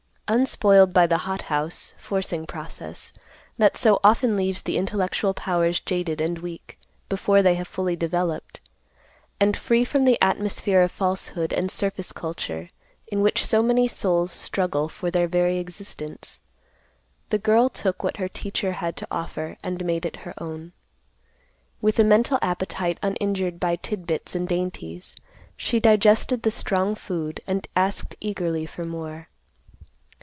Unspoiled by the hot house, forcing process, that so often leaves the intellectual powers jaded and weak, before they have fully developed, and free from the atmosphere of falsehood and surface culture, in which so many souls struggle for their very existence, the girl took what her teacher had to offer and made it her own. With a mental appetite uninjured by tit bits and dainties, she digested the strong food, and asked eagerly for more.